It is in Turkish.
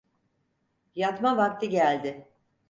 Yatma vakti geldi.